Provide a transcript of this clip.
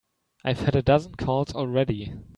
I've had a dozen calls already.